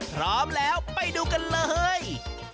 พร้อมแล้วไปดูกันเลย